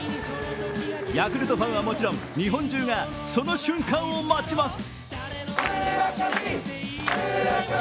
ヤクルトファンはもちろん日本中がその瞬間を待ちます。